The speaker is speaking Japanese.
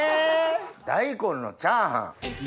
大根のチャーハン？